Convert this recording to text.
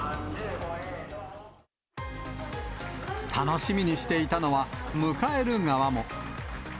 楽しみにしていたのは、迎える側も。